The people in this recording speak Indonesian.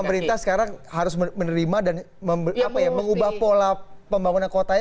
jadi pemerintah sekarang harus menerima dan mengubah pola pembangunan kotanya